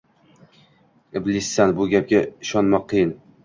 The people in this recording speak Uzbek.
-Iblissan, bu gapga ishonmoq qiyin!